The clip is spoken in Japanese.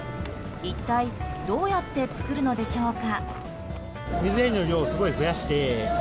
一体どうやって作るのでしょうか？